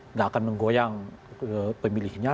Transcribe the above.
nggak akan menggoyang pemilihnya